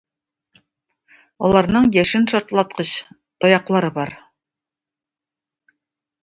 Аларның яшен шартлаткыч таяклары бар.